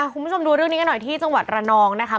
คุณผู้ชมดูเรื่องนี้กันหน่อยที่จังหวัดระนองนะคะ